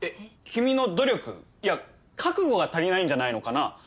君の努力いや覚悟が足りないんじゃないのかな。